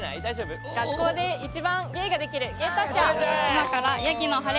学校で一番芸ができる芸達者。